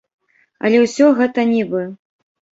Але ўсё гэта нібы.